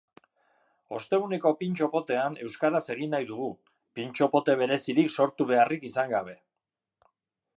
Osteguneko pintxo-potean euskaraz egin nahi dugu, pintxo-pote berezirik sortu beharrik izan gabe.